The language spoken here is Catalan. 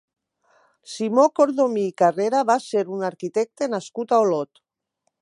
Simó Cordomí i Carrera va ser un arquitecte nascut a Olot.